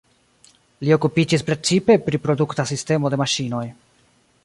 Li okupiĝis precipe pri produkta sistemo de maŝinoj.